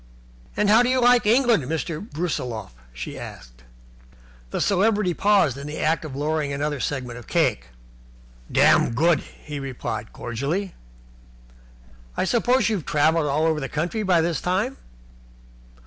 "And how do you like England, Mr. Brusiloff?" she asked. The celebrity paused in the act of lowering another segment of cake. "Dam good," he replied, cordially. "I suppose you have travelled all over the country by this time?"